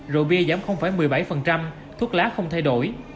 rượu bia giảm một mươi bảy thuốc lá không thay đổi